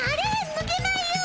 ぬけないよ。